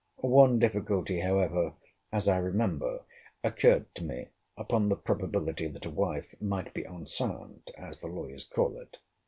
One difficulty, however, as I remember, occurred to me, upon the probability that a wife might be enceinte, as the lawyers call it.